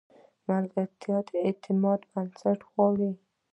ملګرتیا د اعتماد بنیاد غواړي.